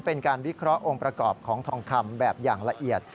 เป็นการวิเคราะห์องค์ประกอบของทองคำแบบอย่างละเอียด